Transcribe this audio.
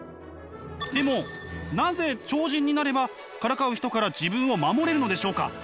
でもなぜ超人になればからかう人から自分を守れるのでしょうか？